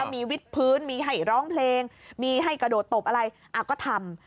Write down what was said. มีวิทพื้นมีให้ร้องเพลงมีให้กระโดดตบอะไรก็ทำ